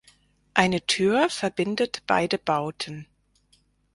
Eine Tür verbindet beide Bauten.